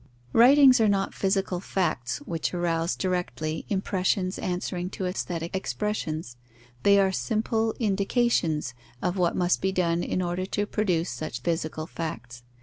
Writings are not physical facts which arouse directly impressions answering to aesthetic expressions; they are simple indications of what must be done in order to produce such physical facts.